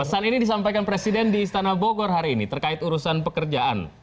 pesan ini disampaikan presiden di istana bogor hari ini terkait urusan pekerjaan